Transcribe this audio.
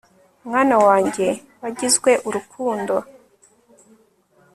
mwana wanjye wagizwe urukundo